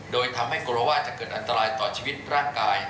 โดยทำให้กลัวว่าจะเกิดอันตรายต่อชีวิตร่างกาย